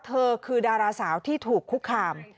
เธอคือดาราสาวที่ถูกคุกคาม